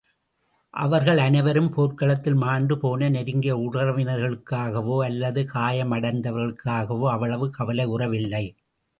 அவர்கள் அனைவரும் போர்க் களத்தில் மாண்டு போன நெருங்கிய உறவினர்களுக்காகவோ அல்லது காயம் அடைந்தவர்களுக்காகவோ அவ்வளவு கவலையுறவில்லை.